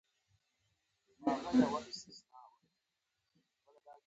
د برټانیې حکومت ته رپوټ ورسېد.